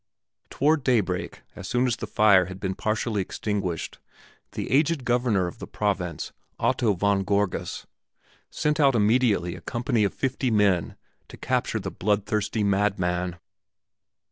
Toward daybreak, as soon as the fire had been partially extinguished, the aged Governor of the province, Otto von Gorgas, sent out immediately a company of fifty men to capture the bloodthirsty madman.